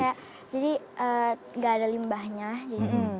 kayak jadi gak ada limbahnya jadi